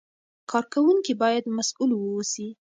کاروونکي باید مسوول واوسي.